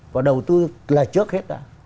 và đầu tư là trước hết đã